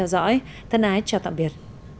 xin chào tạm biệt